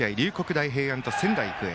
大平安と仙台育英。